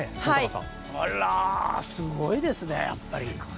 あらすごいですねやっぱり。